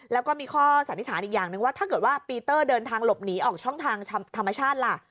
แล้วก็มีข้อสันนิษฐานอีกอย่างนึงว่าถ้าเกิดว่าปีเตอร์เดินทางหลบหนีออกช่องทางธรรมชาติล่ะ